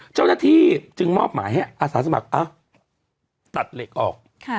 เจ้าหน้าที่จึงมอบหมายให้อาสาสมัครตัดเหล็กออก